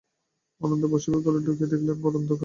অন্নদা বসিবার ঘরে ঢুকিয়া দেখিলেন, ঘর অন্ধকার।